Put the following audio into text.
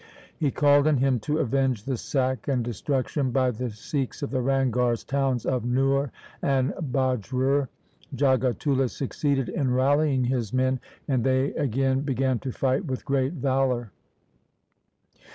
He called on him to avenge the sack and destruction by the Sikhs of the Ranghars' towns of Nuh and Bajrur. Jagatullah succeeded in rally ing his men, and they again began to fight with great valour.